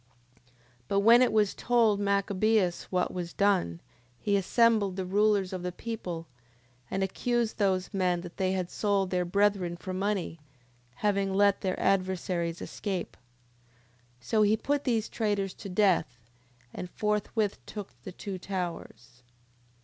10:21. But when it was told Machabeus what was done, he assembled the rulers of the people, and accused those men that they had sold their brethren for money, having let their adversaries escape. 10:22. So he put these traitors to death, and forthwith took the two towers.